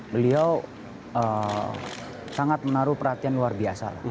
beliau sangat menaruh perhatian luar biasa